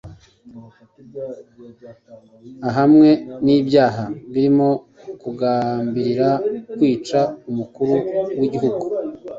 ahamwe n'ibyaha birimo kugambirira kwica umukuru w'igihugu